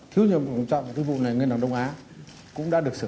thứ nghiệm nghiêm trọng của vụ này là người nằm đông á cũng đã được xử